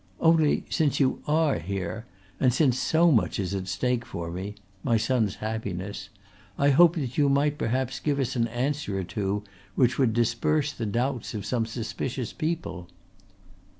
"Only since you are here and since so much is at stake for me my son's happiness I hoped that you might perhaps give us an answer or two which would disperse the doubts of some suspicious people."